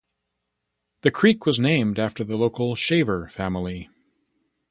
The creek was named after the local Shaver family.